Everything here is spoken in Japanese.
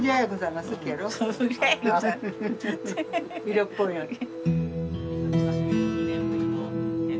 色っぽいよね。